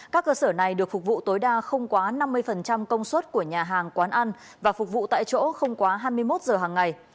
các cơ sở này được phục vụ tối đa không quá năm mươi công suất của nhà hàng quán ăn và phục vụ tại chỗ không quá hai mươi một giờ hàng ngày